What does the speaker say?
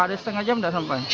ada setengah jam tidak sampai